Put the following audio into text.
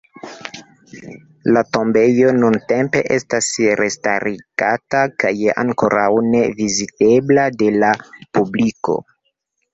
La tombejo nuntempe estas restarigata kaj ankoraŭ ne vizitebla de la publiko.